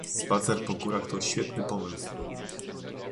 Spacer po górach to świetny pomysł.